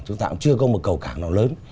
chúng ta cũng chưa có một cầu cảng nào lớn